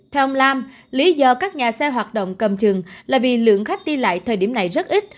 theo ông lam lý do các nhà xe hoạt động cầm chừng là vì lượng khách đi lại thời điểm này rất ít